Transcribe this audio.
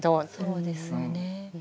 そうですよね。